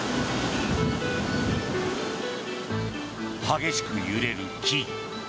激しく揺れる木。